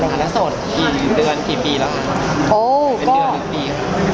แล้วโสดกี่เดือนกี่ปีเหรอเป็นเดือนกี่ปีค่ะ